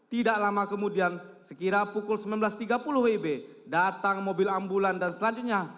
tidak lama kemudian sekira pukul sembilan belas tiga puluh wib datang mobil ambulan dan selanjutnya